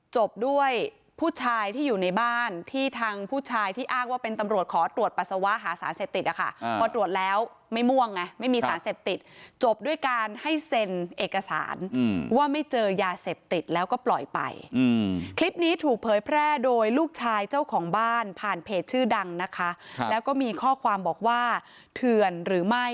จบด้วยผู้ชายที่อยู่ในบ้านที่ทางผู้ชายที่อ้างว่าเป็นตำรวจขอตรวจปัสสาวะหาสารเสพติดนะคะพอตรวจแล้วไม่ม่วงไงไม่มีสารเสพติดจบด้วยการให้เซ็นเอกสารว่าไม่เจอยาเสพติดแล้วก็ปล่อยไปคลิปนี้ถูกเผยแพร่โดยลูกชายเจ้าของบ้านผ่านเพจชื่อดังนะคะแล้วก็มีข้อความบอกว่าเถื่อนหรือไม่